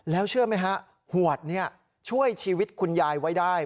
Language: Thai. แล้วเชื่อไหมฮะหวดช่วยชีวิตคุณยายไว้ได้